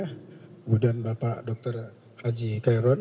kemudian bapak dr haji kairon